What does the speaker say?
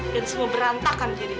dan semua berantakan diri